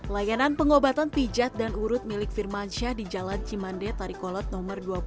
layanan pengobatan pijat dan urut milik firmansyah di jalan cimande tarikolot nomor dua puluh